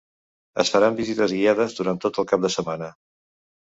Es faran visites guiades durant tot el cap de setmana.